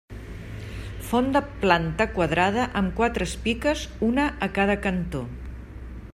Font de planta quadrada amb quatres piques, una a cada cantó.